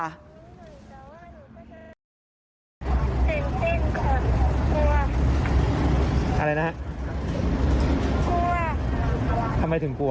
เต้นเต้นขอกลัวอะไรนะฮะกลัวทำไมถึงกลัว